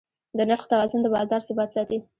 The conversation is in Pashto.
د نرخ توازن د بازار ثبات ساتي.